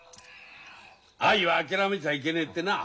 愛は諦めちゃいけねえってな。